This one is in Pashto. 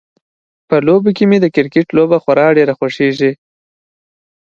په لوبو کې مې د کرکټ لوبه خورا ډیره خوښیږي